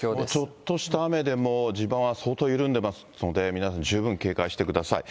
ちょっとした雨でも地盤は相当緩んでいますので、皆さん、十分警戒してください。